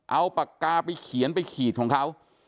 เอาปากกาไปเขียนไปขีดของเขา